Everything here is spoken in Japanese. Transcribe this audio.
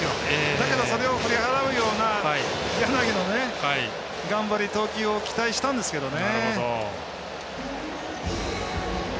だけど、それを振り払うような柳の頑張り投球を期待したんですけどね。